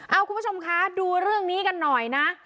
เอาคุณผู้ชมคะดูเรื่องนี้กันหน่อยนะ